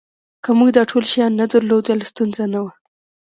که موږ دا ټول شیان نه درلودل ستونزه نه وه